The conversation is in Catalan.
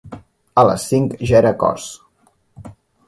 A les cinc ja era cos.